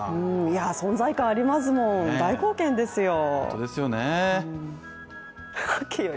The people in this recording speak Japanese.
存在感ありますもん大貢献ですよ。